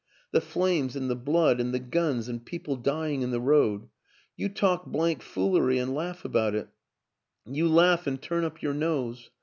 The flames and the blood and the guns and people dying in the road. You talk blank foolery and laugh about it you laugh and turn up your nose.